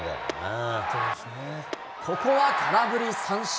ここは空振り三振。